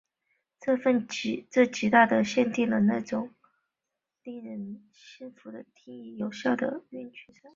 这极大的限定了那种凯莱表可以令人信服的定义有效的群运算。